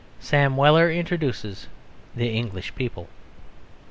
Sam Weller introduces the English people.